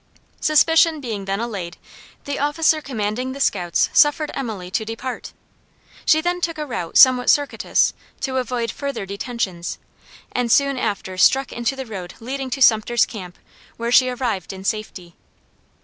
Suspicion being then allayed, the officer commanding the scouts suffered Emily to depart. She then took a route somewhat circuitous to avoid further detentions and soon after struck into the road leading to Sumter's camp, where she arrived in safety.